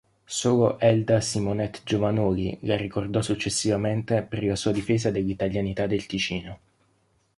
Solo Elda Simonett-Giovanoli la ricordò successivamente per la sua difesa dell'italianità del Ticino.